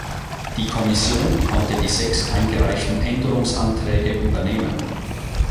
Die Kommission konnte die sechs eingereichten Änderungsanträge übernehmen.